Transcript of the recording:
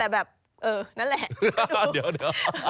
แต่แบบเออนั่นแหละ